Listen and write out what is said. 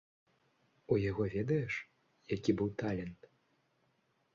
У яго ведаеш, які быў талент?